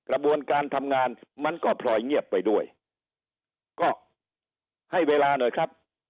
กระบวนการทำงานมันก็พลอยเงียบไปด้วยก็ให้เวลาหน่อยครับ